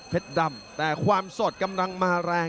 ดำแต่ความสดกำลังมาแรง